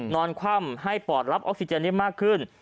คว่ำให้ปอดรับออกซิเจนได้มากขึ้น